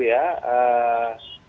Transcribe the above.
tidak ada nama